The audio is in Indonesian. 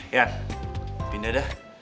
ian pindah dah